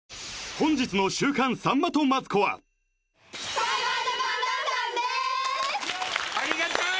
本日の「週刊さんまとマツコ」はでーす！